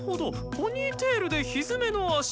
ポニーテールでひづめの足。